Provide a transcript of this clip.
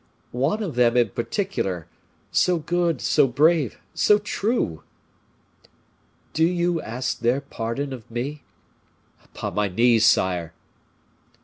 One of them, in particular so good! so brave! so true!" "Do you ask their pardon of me?" "Upon my knees, sire!"